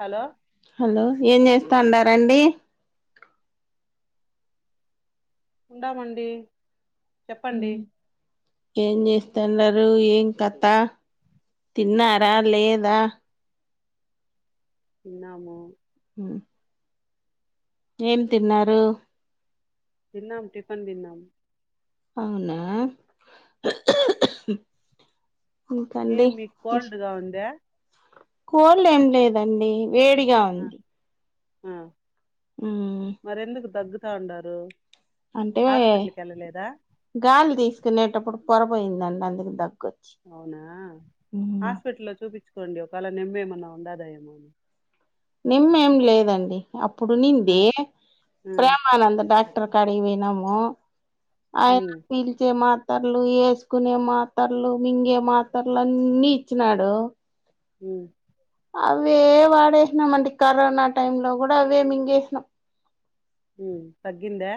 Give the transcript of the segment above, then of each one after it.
Hello hello ఏం చేస్తాండార్ రండి ఉండామండి ఉ చెప్పండి ఏం చేస్తన్నరు రు ఏం కథ తిన్నారా లేదా తిన్నాము ఉ ఏం తిన్నారు తిన్నాం టిఫిన్ తిన్నాం అవునా ఏం ఇంకండి మీకు కోల్డ్ గా ఉందా కోల్డ్ ఏం లేదండి వేడిగా ఆ ఉంది ఆ ఉమ్ మరెందుకు దగ్గు తా ఉండరు అంటే గాలి తీసుకునేటప్పుడు పొరపోయిందండి అందుకే దగ్ అవునా హాస్పిటల్ లో చూపిచ్చు కోండి ఒకవేలా నిమ్మేమన్న ఉండదాయేమొఅని నేమ్మేం లేదండి అప్పుడు ఆ ఉన్నింది ఆ ప్రేమానంద్ డాక్టర్ ట్ర కాడకి పోయ్ నాము ఆయన ఉమ్ పిల్ చే మత్ మాతర్లు యేసుకునే మాతర్లు మింగే మాతర్లు అన్ని ఇచ్చినాడు ఉమ్ అవే వాడేసినం అండి కరోనా టైమ్ లో కూడా అవే మింగేసినాం హ తగ్గిందా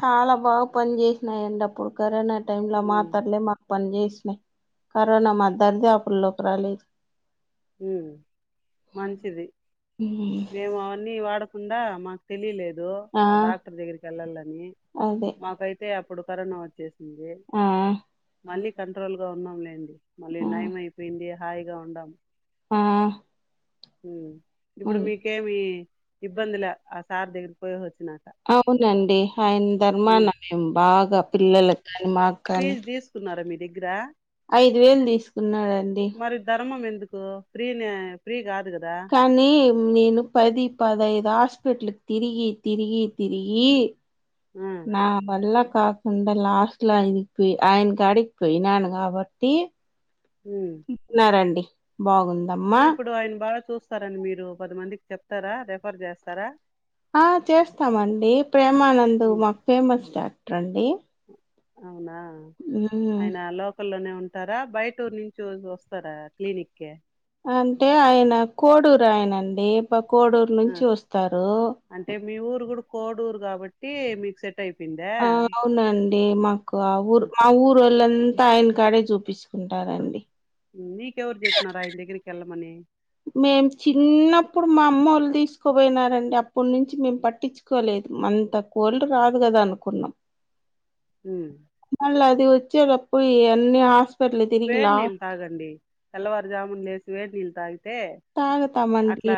చాలా బాగా పని చేసినాయండి అప్పుడు కరోనా టైం లో ఉమ్ మాతర్లే మా పన్ చేస్నాయ్ కరోనా మా దర్దపులొక్కి రాలేదు మంచిది మేము అవన్నీ వాడత ఉందా మాకు తెలిలేదు ఆ డాక్టర్ దగ్గరికి వెళ్ళాలని అదే మాకైతే అప్పుడు కరోనా వచ్చ ఆ మళ్ళీ కంట్రోల్ గా ఉన్నాంలేండి. మళ్ళీ న్యం ఆ అయిపోయింది. హాయిగా ఉంటం ఆ హు ఇప్పుడు మీకేమి ఇబ్బందుల ఆ సార్ దగ్గరికి పోయేసి వచ్చినాక అవునండి ఆయన ధర్మాన ఉమ్ బాగా పిల్లలలకు కానీ మాకు కానీ దగ్గద ఐదు వేలు తీసుకున్నాడండి. ఫ్రీ న ఫ్రీ కాదు కదా కానీ నేను పది పదహైదు ఆస్ ట్లకు తిరిగి తిరిగి తిరిగి ఆ నా వళ్ళ కాకుండా లాస్ట్ లో ఆయనకి పోయి ఆయన కాడికి పోయినాను కాబట్టి ఉ ఉమ్ తిట్టినారండి. బాగుంద్ ఇప్పుడు ఆయన బాగా చూస్తారండి మీరు మీరు పది మందికి చెప్తారా రెఫర్ చేస్తారా ఆ చేస్తామండి. ప్రేమానంద్ ఉమ్ మాకు ఫేమస్ స్టార్ రండి అవునా మ్మ్ ఆయన లోకల్లోనే ఉన్ తారా బయటూర్ నుంచి వస్ అంటే ఆయన కోడూరు ఆయన డీ ప కోడూరు ఆ నుంచి వస్తారు అంటే మీ ఊరు కూడా కోడూరు కాబట్టి మీకు సెట్ అయిపోయిందా ఆ అవునండి. మాకు ఆ ఊరు మా ఊరు వాళ్ళ అన్ అంతా ఆయన కాడే చూపించుకుంటారండి నీకెవరు చెప్పినారు ఆయన దగ్గరికి వెళ్ళ మనీ మేం చిన్నప్పుడు మా అమ్మ వాళ్ళు తీసుకుపోయినారండి. అప్పడు నుంచి మేము పట్టించుకోలేదు. అంత కోల్డ్ రాదు కదా అనుకున్నాం. హూ మ్ మళ్ళ అది వచ్చేటప్పుడు ఇ అన్ని హస్ వేడినీలు తాగండి తెల్లవారు జాము లేసి వేడి నీళ్లు తాగి తాగుతామండి.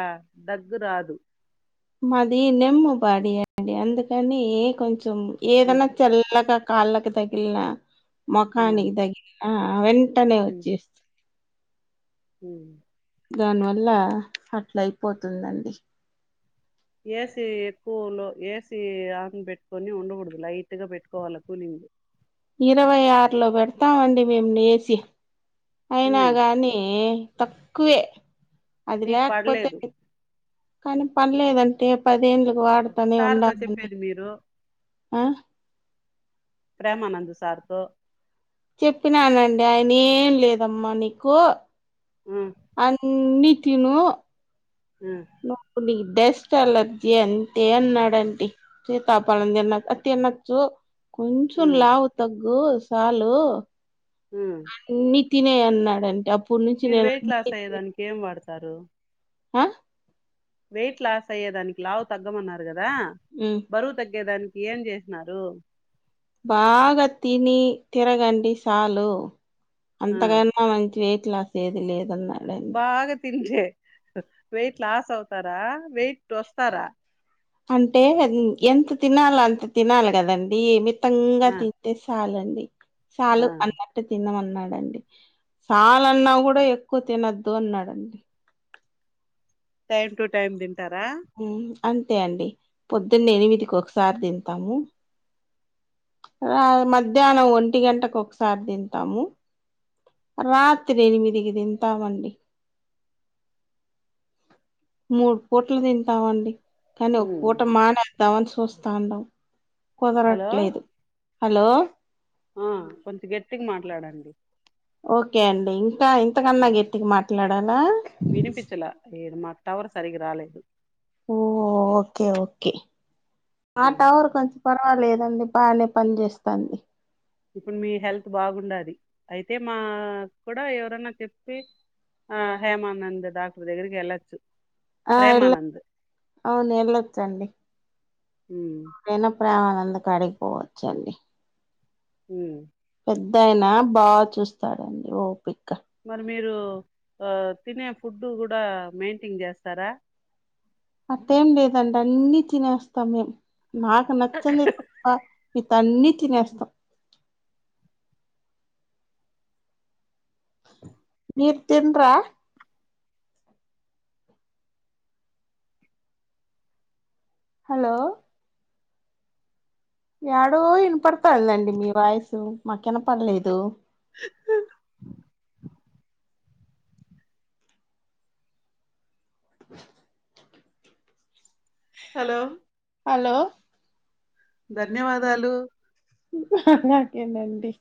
దగ్గురాదు. మాది నిమ్ము బాడీ అండి అందుకని కొం చెం ఉమ్, ఏదన్నా చల్లగా, కాళ్ళకి తగిలిన ఆ, ముఖానికి తగిలి ఆ అ వెం టానే ఉమ్, వచెస్ట్ ఉమ్ దానివల్ల అట్లా అయిపోతుందండి. ఏసి ఎక్కువలో ఏసి ఆన్ పెట్టుకొని ఉండకూడదు. లైట్ గా పెట్టుకోవాల కూలింగ్ ఇరవై ఆరులో పెడతామండి. మేము ఏసి అయినా ఉమ్, గాని తక్కువే అది నీకు లేకపోతే పడలేదు కానీ పడలేదంటే పదేళ్ళు. వాడుతనే సార్తో ఉండమండి. చెప్పేది మీరు ఆ ప్రేమానందు సార్తో. చెప్పినానండి ఆయన ఏం లేదమ్మా నీకు ఉమ్, అన్ని తిను ఉమ్, నూక బియ్యం. స్ట్ ఎలర్జీ అంతే అన్నాడడి సీతాపాలం తిన్నచ్చ అ తినొచ్చు. కొంచెం ఉమ్, లావు తగ్గు సార్లు ఉం తినే అన్నాడంటే అ మీరు వెయిట్ లాస్ అయ్యే దానికి ఏం వాడ తరు. ఆ వెయిట్ లాస్ అయ్యేదానికి లావు తగ్గమన్నారు. కదా ఉమ్ బరువు తగ్గేదానికి ఏం చేస్త న్నారు. బాగా తిని తిరగండి సాలు. ఆ అంతకైనా మంచి వే లాదు లేదు బాగా తింటే వయిట్ లాస్ అవుతారా వెయిట్ టస్తారా అంటే ఎంత తినాలి అంత తినాలి కదండి త్తంగా ఆ తింటే సాలండి చాలు ఆ అన్నట్టు తిన్నామ న్నాడండి సాలన్నా కూడా ఎక్కువ తినద్దు అన్నాడండి టైమ్ టూ టైమ్ ద ఇంటారా హ్మ్. అంతే అండి పొద్దున్న ఎనిమిదికి ఒకసారి తింటాము రా మధ్యాహ్నం ఒంటి గంటకు ఒకసారి తింటాము రాత్రి ఎనిమిదికి తింటాముండి మూడు పూట్లు తింటావండి కానీ ఒక ఉమ్ పూట మాన ధవన్స్వస్స్తాండం హలో కుదరట్లేదు హలో ఆ కొంచెం గెట్ ఇటికి మాట్లాడండి ఓకే అండి ఇంతకా కన్నా గ ఎట్టికి మాట్ లడన్ వినిపించలే ఏం మాట టవర్ సరిగ రాాలేదు ఓ ఓకే ఓకే ఉమ్, ఆటవార్ ఉ కొంచ పర్వాలేదండి బాగానే పని చేేస్తాంది ఇప్పుడు మీ హెల్త్ బాగుండది అయితే మా కూడాడ ఎవరన్నా చెప్పి ఆ హేమానంద దా ఇప్పుడు దగ్గరికి వెళ్ళొచ్చు ఆ వెళ ప్రేమానంద్ అవును వెళ్ళొచ్చండి హ ఎప్పుడైనా ప్రేమానంద క అడిగిపోవచ్చు అండి హ యినా బాగా చూస్తాడండి ఓ పిక్ మరి మీరు ఆ తినే ఫుడ్ కూడా మెయింటైన్ చేస్తారా అట్టేం లేదండి అన్నిీ తినేస్తాం మేం నాకు నచ్చంది తప్ప ఇ త అన్నిీ తినేస్తాం నిర్ తిినరా హలో ఏడో వినపడతదండి మీ వాయసు మాకుెన పడలేదు ఆ హలో హలోలో హలో ధన్యవాదాలు అకేనండి